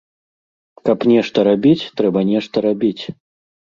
Каб нешта рабіць, трэба нешта рабіць!